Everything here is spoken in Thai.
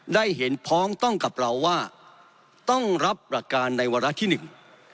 ได้เห็นพ้องต้องกับเราว่าต้องรับหลักการในวาระที่หนึ่ง